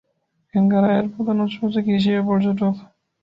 এখানকার আয়ের প্রধান উৎস হচ্ছে কৃষি ও পর্যটন।